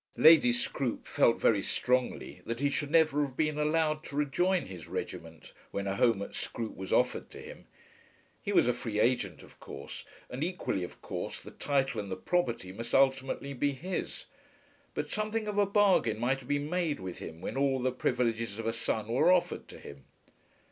Lady Scroope felt very strongly that he should never have been allowed to rejoin his regiment, when a home at Scroope was offered to him. He was a free agent of course, and equally of course the title and the property must ultimately be his. But something of a bargain might have been made with him when all the privileges of a son were offered to him.